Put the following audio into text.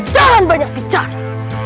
jangan banyak bicara